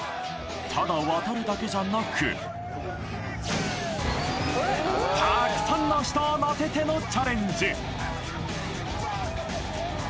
ただ渡るだけじゃなくたーくさんの人を乗せてのチャレンジ